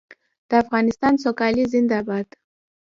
د افغانستان سوکالي زنده باد.